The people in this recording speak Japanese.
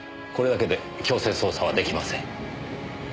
これだけで強制捜査は出来ません。